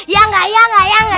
ya gak ya gak ya gak